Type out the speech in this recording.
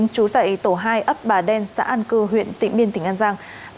chú dạy tổ hai ấp bà đen xã an cư huyện tỉnh biên tỉnh an giang